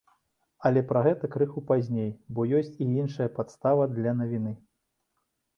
Але пра гэта крыху пазней, бо ёсць і іншая падстава для навіны.